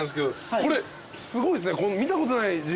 これすごいっすね。